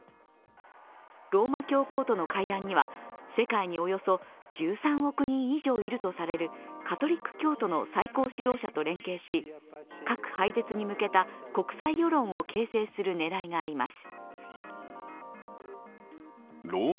ローマ教皇との会談には世界におよそ１３億人以上いるとされるカトリック教徒の最高指導者と連携し核廃絶に向けた国際世論を形成する狙いがあります。